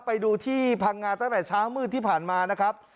ไปดูที่พังงาตั้งแต่เช้ามืดที่ผ่านมานะครับ